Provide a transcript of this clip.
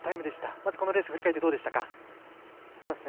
まずこのレース振り返っていかがでしたか。